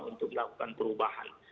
untuk melakukan perubahan